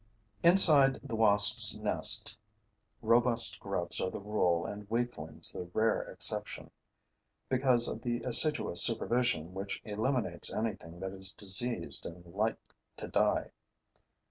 Inside the wasps' nest, robust grubs are the rule and weaklings the rare exception, because of the assiduous supervision which eliminates anything that is diseased and like to die.